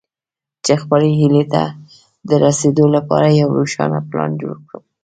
چې خپلې هيلې ته د رسېدو لپاره يو روښانه پلان جوړ کړئ.